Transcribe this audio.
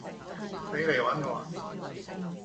你嚟搵我呀？